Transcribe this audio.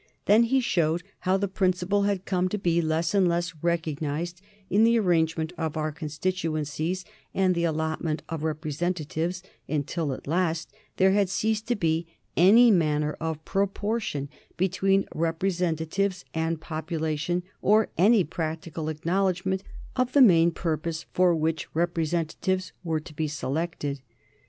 Then he showed how the principle had come to be less and less recognized in the arrangement of our constituencies and the allotment of representatives, until at last there had ceased to be any manner of proportion between representatives and population or any practical acknowledgment of the main purpose for which representatives were to be selected.